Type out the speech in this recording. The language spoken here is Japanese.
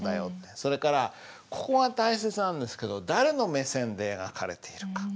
それからここが大切なんですけど誰の目線で描かれているか？